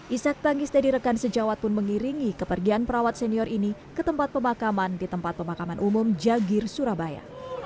ishak tangis dari rekan sejawat pun mengiringi kepergian perawat senior ini ke tempat pemakaman di tempat pemakaman umum jagir surabaya